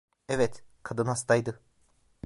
Evet, kadın hastaydı.